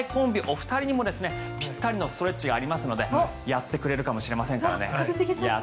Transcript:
お二人にもぴったりのストレッチがありますのでやってくれるかもしれませんからね。